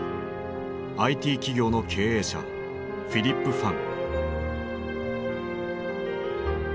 ＩＴ企業の経営者フィリップ・ファン。